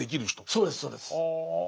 そうですそうです。